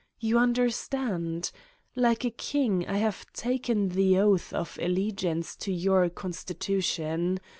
You understand? Like a king, I have taken the oath of allegiance to your constitution.